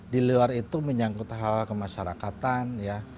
di luar itu menyangkut hal kemasyarakatan ya